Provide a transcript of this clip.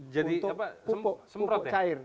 jadi apa semprot ya